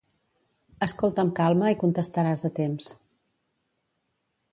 Escolta amb calma i contestaràs a temps.